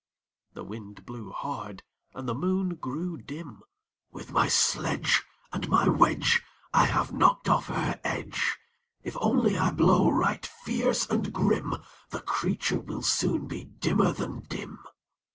The Wind blew hard, and the Moon grew dim. "With my sledge And my wedge I have knocked off her edge! If only I blow right fierce and grim, The creature will soon be dimmer than dim."